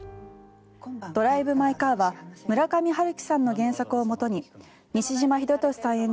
「ドライブ・マイ・カー」は村上春樹さんの原作をもとに西島秀俊さん